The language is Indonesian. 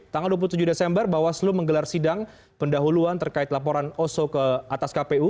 tanggal dua puluh tujuh desember bawaslu menggelar sidang pendahuluan terkait laporan oso ke atas kpu